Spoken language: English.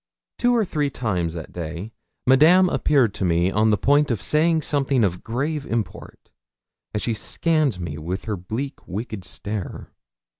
Two or three times that day Madame appeared to me on the point of saying something of grave import, as she scanned me with her bleak wicked stare.